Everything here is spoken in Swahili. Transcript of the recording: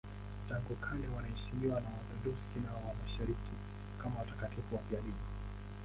Tangu kale wanaheshimiwa na Waorthodoksi wa Mashariki kama watakatifu wafiadini.